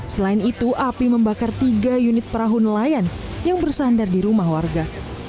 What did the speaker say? selain itu api membakar tiga unit perahu nelayan yang bersandar di rumah warga